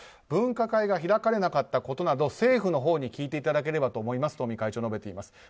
分科会が開かれなかったことなど政府のほうに聞いていただければと思いますと尾身会長、述べています。